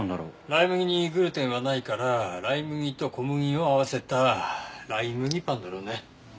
ライ麦にグルテンはないからライ麦と小麦を合わせたライ麦パンだろうね。